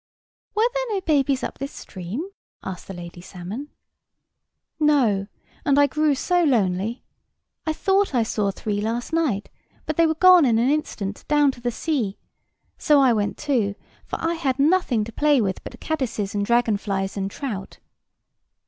"Were there no babies up this stream?" asked the lady salmon. "No! and I grew so lonely. I thought I saw three last night; but they were gone in an instant, down to the sea. So I went too; for I had nothing to play with but caddises and dragon flies and trout."